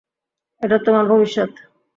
এটা তোমার ভবিষ্যত।